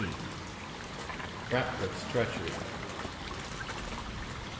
RACKLIFF'S TREACHERY.